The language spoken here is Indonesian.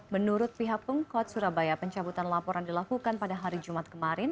menurut pihak pemkot surabaya pencabutan laporan dilakukan pada hari jumat kemarin